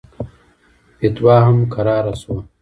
فتوا هم کراره سوه.